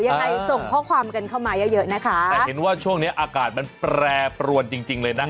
ยังไงส่งข้อความกันเข้ามาเยอะเยอะนะคะแต่เห็นว่าช่วงนี้อากาศมันแปรปรวนจริงจริงเลยนะ